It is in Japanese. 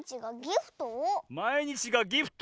「まいにちがギフト」？